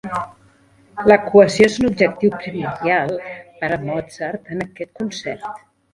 La cohesió és un objectiu primordial per a Mozart en aquest concert.